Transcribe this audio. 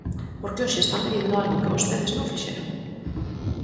Porque hoxe están pedindo algo que vostedes non fixeron.